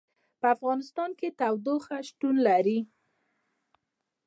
په افغانستان کې تودوخه شتون لري.